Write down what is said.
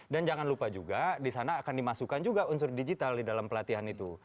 dan jangan lupa juga di sana akan dimasukkan juga unsur digital di dalam pelatihan ini